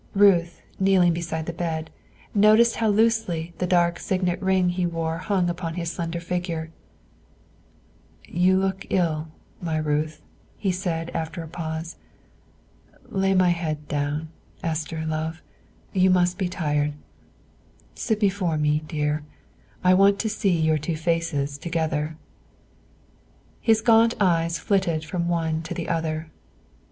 Ruth, kneeling beside the bed, noticed how loosely the dark signet ring he wore hung upon his slender finger. "You look ill, my Ruth," he said, after a pause. "Lay my head down, Esther love; you must be tired. Sit before me, dear, I want to see your two faces together." His gaunt eyes flitted from one to the other.